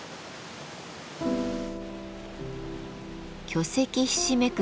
巨石ひしめく